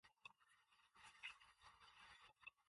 A priest examined every bull before it was sacrificed.